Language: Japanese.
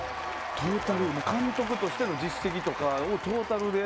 トータル、監督しての実績とかをトータルで？